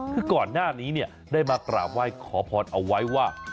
คือก่อนหน้านี้ได้มากราบไหว้ขอพรเอาไว้ว่า